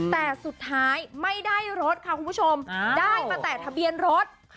แต่สุดท้ายไม่ได้รถค่ะคุณผู้ชมได้มาแต่ทะเบียนรถ